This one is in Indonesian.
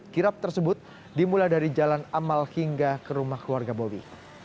kirap tersebut dimulai dari jalan amal hingga ke rumah keluarga bobi